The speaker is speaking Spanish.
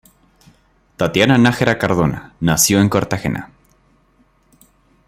Tatiana Nájera Cardona, nació en Cartagena.